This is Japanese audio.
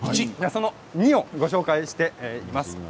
その２をご紹介していきます。